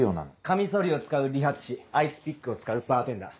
カミソリを使う理髪師アイスピックを使うバーテンダー。